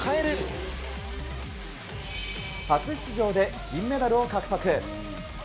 初出場で銀メダルを獲得。